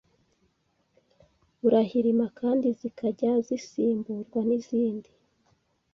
burahirima kandi zikajya zisimburwa n’izindi